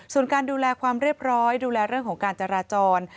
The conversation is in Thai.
ส่วนการดูแลความเรียบร้อยดูแลเรื่องของการจราจร